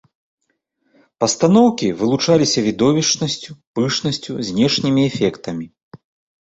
Пастаноўкі вылучаліся відовішчнасцю, пышнасцю, знешнімі эфектамі.